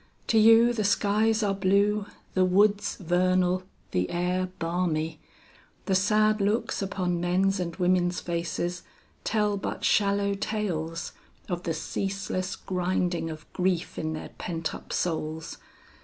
To you the skies are blue, the woods vernal, the air balmy; the sad looks upon men's and women's faces, tell but shallow tales of the ceaseless grinding of grief in their pent up souls.